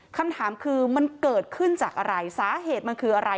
คำถามคือมันเกิดขึ้นจากอะไรสาเหตุมันคืออะไร